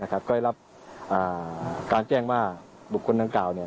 ก็ได้รับการแจ้งว่าบุคคลดังกล่าว